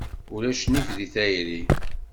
Ulac nnif deg tayri.